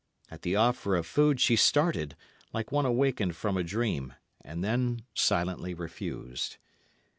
At the offer of food she started, like one wakened from a dream, and then silently refused.